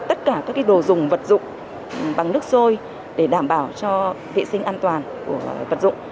tất cả các đồ dùng vật dụng bằng nước sôi để đảm bảo cho vệ sinh an toàn của vật dụng